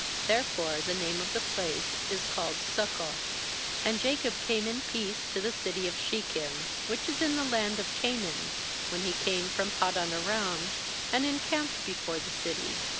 Therefore the name of the place is called bSuccoth. 18And Jacob came in peace to the city of Shechem, which is in the land of Canaan, when he came from Paddan aram; and encamped before the city.